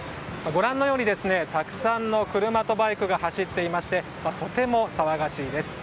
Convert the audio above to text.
ご覧のようにたくさんの車とバイクが走っていましてとても騒がしいです。